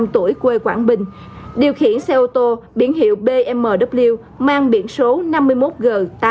ba mươi năm tuổi quê quảng bình điều khiển xe ô tô biển hiệu bmw mang biển số năm mươi một g tám mươi tám nghìn ba trăm linh ba